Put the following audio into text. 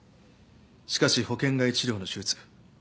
しかし保険外治療の手術。